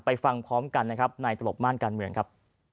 ฟังพร้อมกันนะครับในตลบม่านการเมืองครับ